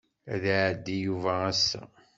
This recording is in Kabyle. Ad d-iɛeddi Yuba ass-a.